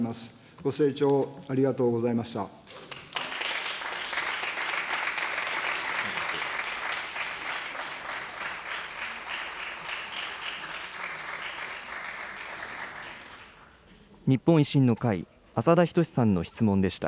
ご清聴ありがとうございました。